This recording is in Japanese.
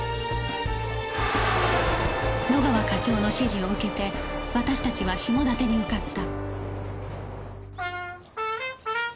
野川課長の指示を受けて私たちは下館に向かった